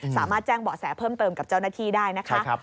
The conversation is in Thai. สามารถแจ้งเบาะแสเพิ่มเติมกับเจ้าหน้าที่ได้นะคะ